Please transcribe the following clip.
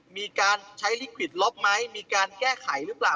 มีการใช้ลิขวิตลบไหมมีการแก้ไขหรือเปล่า